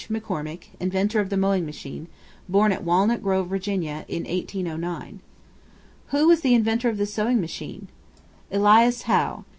McCormick, inventor of the mowing machine, born at Walnut Grove, Virginia, in 1809. Who was the inventor of the Sewing Machine? Elias Howe.